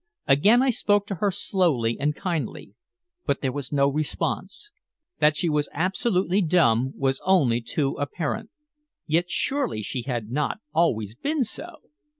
Again I spoke to her slowly and kindly, but there was no response. That she was absolutely dumb was only too apparent. Yet surely she had not always been so!